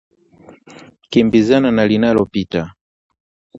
Kimbizana na linalopita